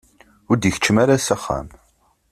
Ur d-ikeččem ara s axxam.